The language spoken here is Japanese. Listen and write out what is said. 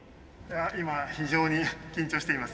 今非常に緊張しています。